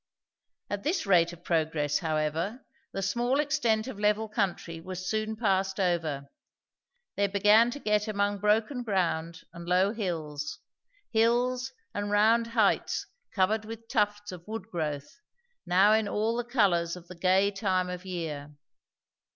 At this rate of progress however the small ex tent of level country was soon passed over. They began to get among broken ground and low hills; hills and round heights covered with tufts of wood growth, now in all the colours of the gay time of year.